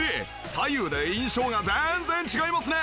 左右で印象が全然違いますね。